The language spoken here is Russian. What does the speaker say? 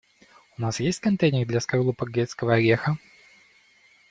У нас есть контейнер для скорлупок грецкого ореха?